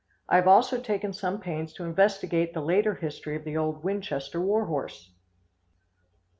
I have also taken some pains to investigate the later history of the old Winchester war horse.